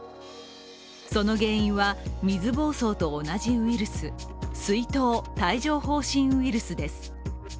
その原因は水ぼうそうと同じウイルス、水痘・帯状疱疹ウイルスです。